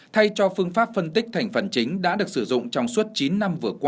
thay cho phương pháp phân tích thành phần chính đã được sử dụng trong suốt chín năm vừa qua